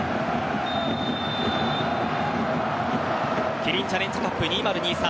キリンチャレンジカップ２０２３